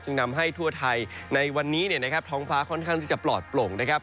จึงนำให้ทั่วไทยในวันนี้นะครับท้องฟ้าค่อนข้างจะปลอดปลงนะครับ